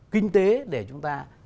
kinh tế để chúng ta